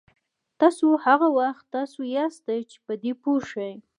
تاسو هغه وخت تاسو یاستئ چې په دې پوه شئ.